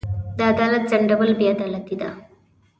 د عدالت ځنډول بې عدالتي ده.